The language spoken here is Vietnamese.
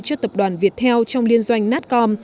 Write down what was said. cho tập đoàn việt theo trong liên doanh natcom